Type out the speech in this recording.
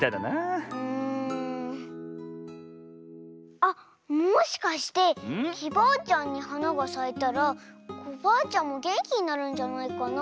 あっもしかしてきバアちゃんにはながさいたらコバアちゃんもげんきになるんじゃないかな？